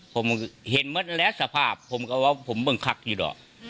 ผมเห็นแล้วสภาพผมก็ว่าผมเพิ่งคักอยู่ดอก